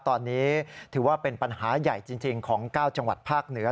ตอนนี้ถือว่าเป็นปัญหาใหญ่จริงของ๙จังหวัดภาคเหนือ